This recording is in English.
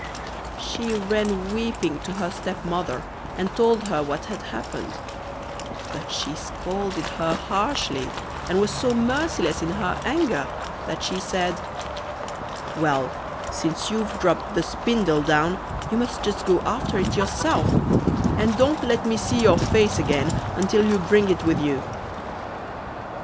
She ran weeping to her stepmother, and told her what had happened, but she scolded her harshly, and was so merciless in her anger that she said: 'Well, since you've dropped the spindle down, you must just go after it yourself, and don't let me see your face again until you bring it with you.